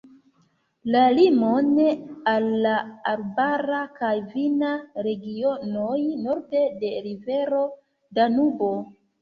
La limon al la arbara kaj vina regionoj norde la rivero Danubo.